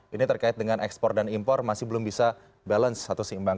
ini terkait dengan ekspor dan impor masih belum bisa balance atau seimbang